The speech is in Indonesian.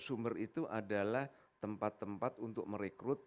sumber itu adalah tempat tempat untuk merekrut untuk menjadikan masyarakat